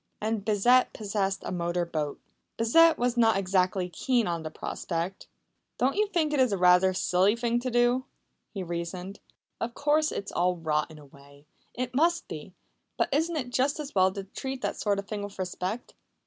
And Bissett possessed a motor boat. Bissett was not exactly keen on the prospect. "Don't you think it is rather a silly thing to do?" he reasoned. "Of course it's all rot in a way it must be. But isn't it just as well to treat that sort of thing with respect?"